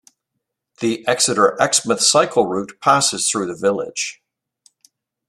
The Exeter-Exmouth cycle route passes through the village.